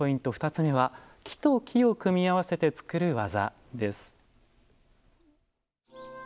２つ目は「木と木を組み合わせて作る技」。